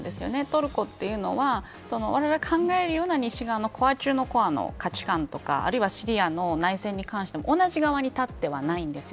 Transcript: トルコというのはわれわれ考えるような西側のコア中のコアな価値観とかあるいはシリア内戦も同じ側に立ってないんです。